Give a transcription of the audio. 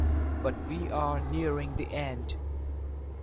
But we are nearing the end.